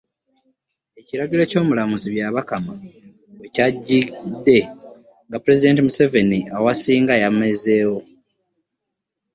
Ekiragiro ky'Omulamuzi Byabakama we kyajjidde nga Pulezidenti Museveni ewasinga yamazeeyo